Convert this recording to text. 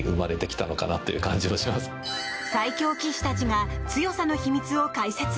最強棋士たちが強さの秘密を解説！